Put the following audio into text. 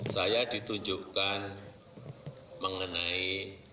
saya ditunjukkan mengenai